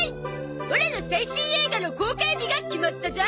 オラの最新映画の公開日が決まったゾ。